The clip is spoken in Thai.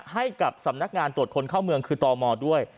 ให้กับสำนักงานตรวจคนเข้าเมืองคือตมด้วย